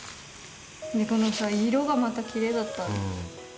このさ色がまたきれいだった。